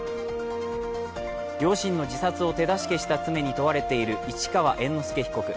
両親の自殺を手助けした罪に問われている市川猿之助被告。